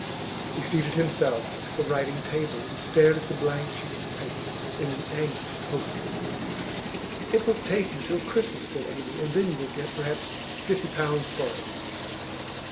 He seated himself at the writing table, and stared at the blank sheets of paper in an anguish of hopelessness. 'It will take you till Christmas,' said Amy, 'and then you will get perhaps fifty pounds for it.